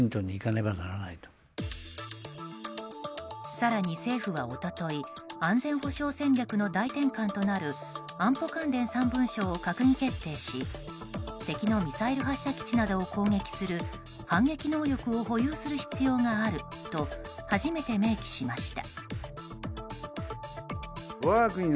更に政府は一昨日安全保障戦略の大転換となる安保関連３文書を閣議決定し敵のミサイル発射基地などを攻撃する反撃能力を保有する必要があると初めて明記しました。